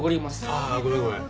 ああごめんごめん。